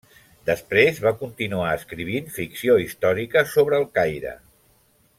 Després va continuar escrivint ficció històrica sobre El Caire.